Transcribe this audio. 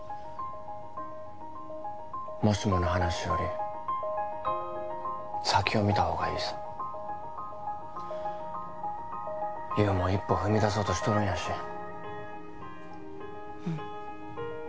「もしも」の話より先を見た方がいいさ優も一歩踏み出そうとしとるんやしうん